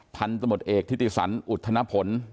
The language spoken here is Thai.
พันธุ์ตมติเอกธิติสรรอุทธนผล